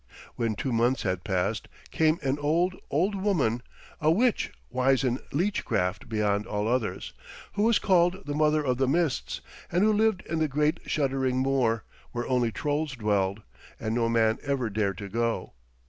When two months had passed, came an old, old woman, a witch wise in leechcraft beyond all others, who was called the Mother of the Mists, and who lived in the Great Shuddering Moor, where only trolls dwelled, and no man ever dared to go.